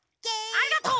ありがとう！